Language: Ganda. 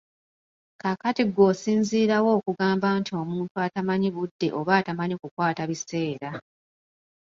Kaakati ggwe osinziira wa okugamba nti omuntu atamanyi budde oba atamanyi kukwata biseera.